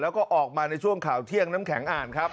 แล้วก็ออกมาในช่วงข่าวเที่ยงน้ำแข็งอ่านครับ